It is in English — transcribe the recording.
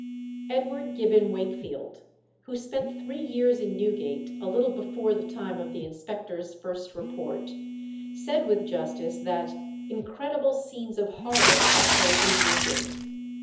Edward Gibbon Wakefield, who spent three years in Newgate a little before the time of the inspectors' first report, said with justice that "incredible scenes of horror occur in Newgate."